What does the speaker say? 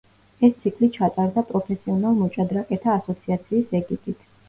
ეს ციკლი ჩატარდა პროფესიონალ მოჭადრაკეთა ასოციაციის ეგიდით.